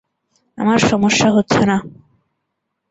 আমার সমস্যা হচ্ছে না।